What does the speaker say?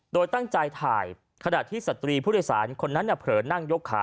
โดยตั้งใจถ่ายขณะที่สตรีผู้โดยสารคนนั้นเผลอนั่งยกขา